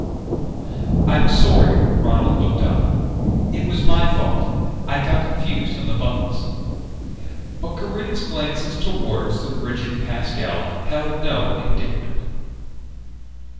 "I'm sorry." Ronald looked up. "It was my fault. I got confused on the buttons." But Corinne's glances toward the rigid Pascal held no indictment.